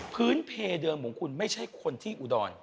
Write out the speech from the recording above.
พื้นเพเดิมของคุณไม่ใช่คนที่อุดร